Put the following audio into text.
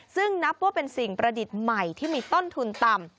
ซึ่งนับว่าเป็นสิ่งประดิษฐ์ใหม่ที่มีต้นทุนต่ำ